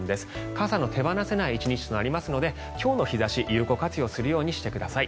傘の手放せない１日となりますので今日の日差し有効活用するようにしてください。